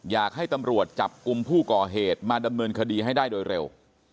อยากให้ตำรวจจับกลุ่มผู้ก่อเหตุมาดำเนินคดีให้ได้โดยเร็ว